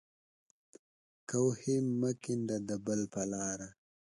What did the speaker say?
کوهی مه کنده د بل په لار.